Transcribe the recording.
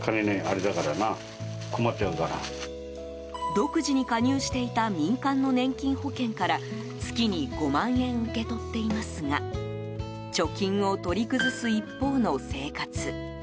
独自に加入していた民間の年金保険から月に５万円受け取っていますが貯金を取り崩す一方の生活。